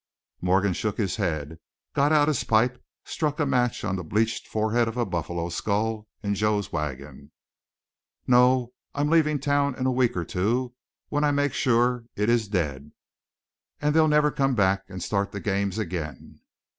Morgan shook his head, got out his pipe, struck a match on the bleached forehead of a buffalo skull in Joe's wagon. "No. I'm leaving town in a week or two when I make sure it is dead, that they'll never come back and start the games again."